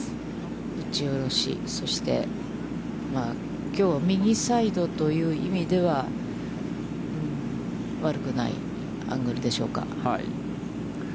打ち下ろし、そしてきょう右サイドという意味では、悪くないアングルでしょうか。